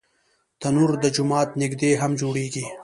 تنور د جومات نږدې هم جوړېږي